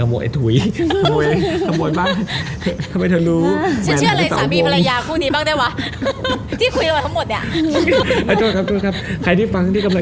เมื่อกนั้นเขาขโมยอย่างเดียวเนี้ย